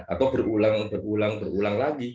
atau berulang ulang lagi